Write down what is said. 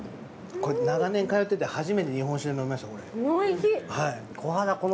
これ長年通ってて初めて日本酒で飲みました。